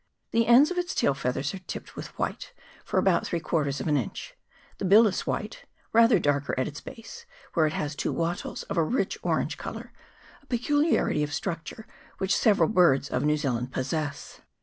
The ends of its tail feathers are tipped with white for about three quarters of an inch ; the bill is white, rather darker at its base, where it has two wattles of a rich orange colour a peculiarity of structure which several birds of New Zealand possess.